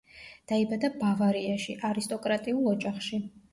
დაიბადა ბავარიაში, არისტოკრატიულ ოჯახში.